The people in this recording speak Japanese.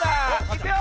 いくよ！